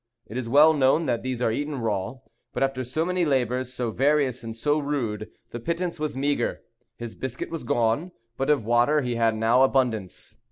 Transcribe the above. It is well known that these are eaten raw; but after so many labors, so various and so rude, the pittance was meagre. His biscuit was gone; but of water he had now abundance.